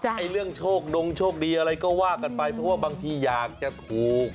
ไอ้เรื่องโชคดงโชคดีอะไรก็ว่ากันไปเพราะว่าบางทีอยากจะถูก